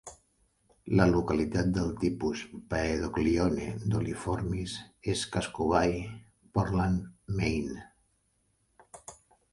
La localitat del tipus "Paedoclione doliiformis" és Casco Bay, Portland, Maine.